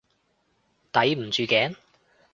抵唔住頸？